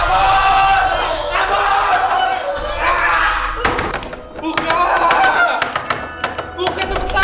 buka cepetan buka